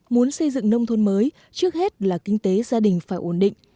muốn xây dựng nông thôn mới trước hết là kinh tế gia đình phải ổn định